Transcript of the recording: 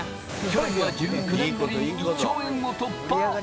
去年は１９年ぶりに１兆円を突破！